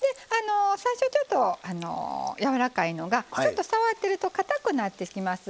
最初ちょっとやわらかいのがちょっと触ってるとかたくなってきます。